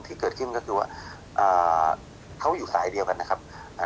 ที่เกิดขึ้นก็คือว่าอ่าเขาอยู่สายเดียวกันนะครับอ่า